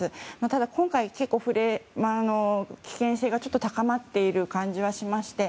ただ今回は結構、危険性が高まっている感じはしまして。